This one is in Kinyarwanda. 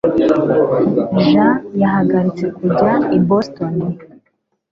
Jean yahagaritse kujya i Boston.